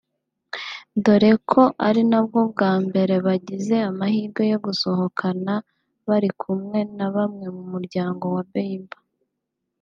dore ko ari nabwo bwa mbere bagize amahirwe yo gusohokana bari kumwe na bamwe mu muryango wa Bieber